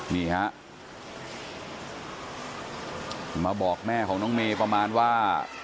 นี่ฮะมาบอกแม่ของน้องเมย์ประมาณว่า